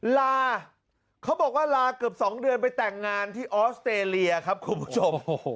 ลาเขาบอกว่าลาเกือบ๒เดือนไปแต่งงานที่ออสเตรเลียครับคุณผู้ชม